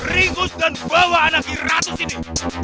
ringus dan bawa anakir ratus ini